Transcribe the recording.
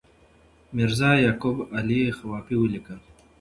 میرزا یعقوب علي خوافي ولیکل.